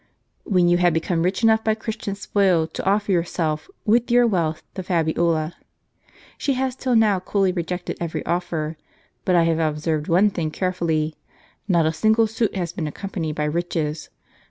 " When you had become rich enough by Christian spoil, to offer yourself, wdth your wealth, to Fabiola. She has till now coldly rejected every offer; but I have observed one thing carefully. Not a single suit has been accompanied by riches.